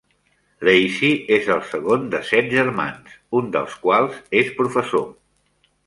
Lacey és el segon de set germans, un dels quals és professor.